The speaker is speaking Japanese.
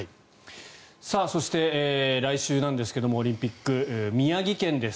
そして、来週なんですがオリンピック、宮城県です。